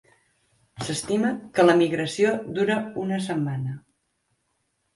S'estima que la migració dura una setmana.